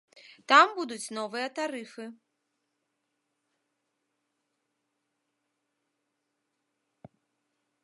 Там будуць новыя тарыфы.